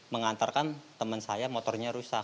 mengantarkan teman saya motornya rusak